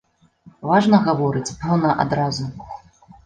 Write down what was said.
Важна гаворыць, пэўна, адразу.